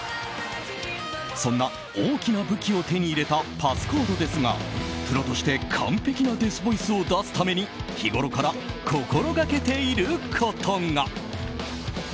そんな大きな武器を手に入れたＰａｓｓＣｏｄｅですがプロとして完璧なデスボイスを出すために日頃から心がけていることが。